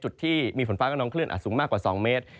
จุดที่มีฝนฟ้ากระนองคลื่นอาจสูงมากกว่า๒เมตร